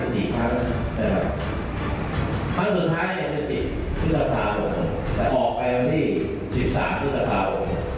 ครั้งสุดท้าย๑๐ทุกษฎาภาพออกไปที่๑๓ทุกษฎาภาพ